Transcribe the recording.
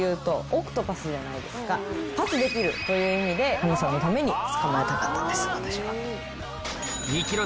「パスできる」という意味で亀さんのために捕まえたかったんです私は。